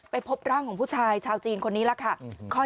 พบร่างของผู้ชายชาวจีนคนนี้ล่ะค่ะ